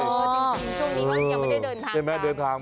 จริงช่วงนี้ยังไม่ได้เดินทาง